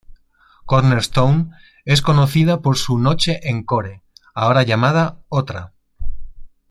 Cornerstone es conocida por su "Noche Encore", ahora llamado "otra".